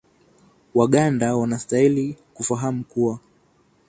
waganda wanastahili kufahamu kuwa